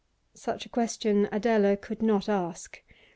Such a question Adela could not ask.